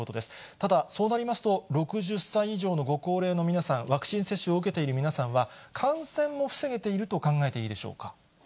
ただそうなりますと、６０歳以上のご高齢の皆さん、ワクチン接種を受けている皆さんは、感染を防げていると考えていいでしょうか。